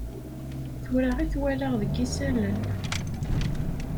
Tura i t-walaɣ deg isallen.